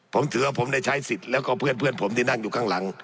ผมถือว่าผมได้ใช้สิทธิ์แล้วก็เพื่อนผมที่นั่งอยู่ข้างหลัง